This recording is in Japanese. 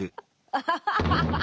アハハハッ！